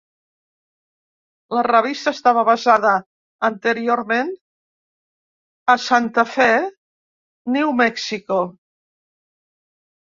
La revista estava basada anteriorment a Santa Fe, New Mexico.